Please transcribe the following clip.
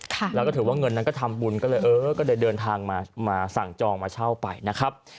หลังจากถือว่าเงินนั้นก็ทำบุญก็เลยเดินทางมาสั่งจองมาเช่าไปนะครับ